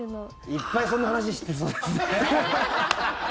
いっぱいそんな話知ってそうですね。